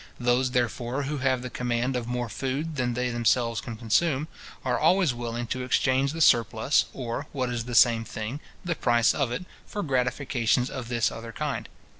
Those, therefore, who have the command of more food than they themselves can consume, are always willing to exchange the surplus, or, what is the same thing, the price of it, for gratifications of this other kind.